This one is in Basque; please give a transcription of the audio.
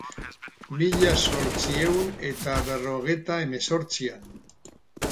Mila zortziehun eta berrogeita hemezortzian.